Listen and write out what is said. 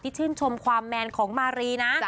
ชื่นชมความแมนของมารีนะ